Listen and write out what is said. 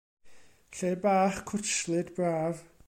Lle bach cwtshlyd, braf.